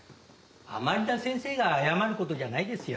甘利田先生が謝る事じゃないですよ。